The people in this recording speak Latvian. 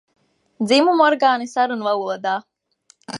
Dzimumorgāni sarunvalodā.